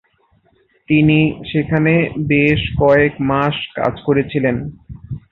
তিনি সেখানে বেশ কয়েক মাস কাজ করেছিলেন।